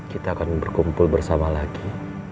kita akan berkumpul bersama lagi